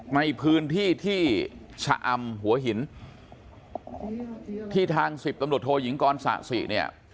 ในพื้นที่ที่ชะอำหัวหินที่ทางสิบตำรวจโทยิงกรสะสิเนี่ย